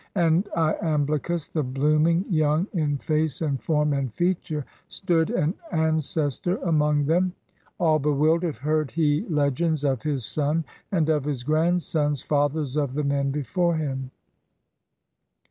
And lamblicus, the blooming, 332 THE SEVEN SLEEPERS OF EPHESUS Young in face and form and feature, Stood an ancestor among them. All bewildered heard he legends Of his son and of his grandsons, Fathers of the men before him.